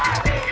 ripa dari ipe